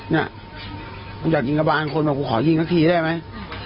เนี่ยกูอยากยิงกระบานคนบอกกูขอยิงสักทีได้ไหม